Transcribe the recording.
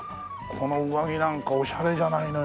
この上着なんかオシャレじゃないのよ。